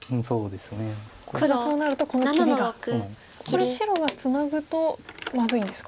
これ白がツナぐとまずいんですか。